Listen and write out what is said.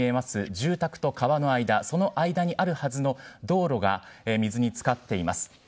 住宅と川の間、その間にあるはずの道路が水につかっています。